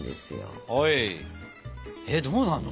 えっどうなんの？